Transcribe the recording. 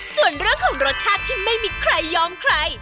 ส่วนเรื่องของรสชาติที่ไม่มีใครยอมใคร